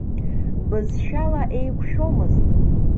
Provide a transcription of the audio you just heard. Бызшәала еиқәшәомызт.